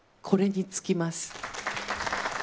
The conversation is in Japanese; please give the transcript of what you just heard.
これに尽きます。